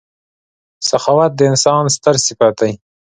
• سخاوت د انسان ستر صفت دی.